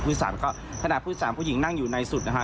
ภูติศาสตร์ก็ถนาภูติศาสตร์ผู้หญิงนั่งอยู่ในสุด